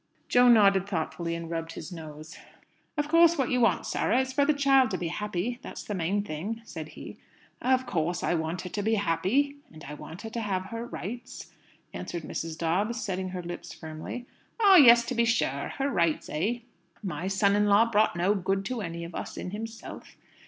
Jo nodded thoughtfully, and rubbed his nose. "Of course, what you want, Sarah, is for the child to be happy. That's the main thing," said he. "Of course I want her to be happy. And I want her to have her rights," answered Mrs. Dobbs, setting her lips firmly. "Ah! Yes, to be sure! Her rights, eh?" "My son in law brought no good to any of us in himself.